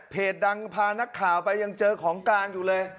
ดังพานักข่าวไปยังเจอของกลางอยู่เลย